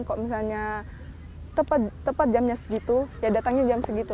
kalau misalnya tepat jamnya segitu ya datangnya jam segitu